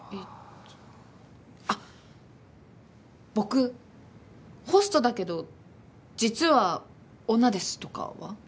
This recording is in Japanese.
あっ僕ホストだけど実は女ですとかは？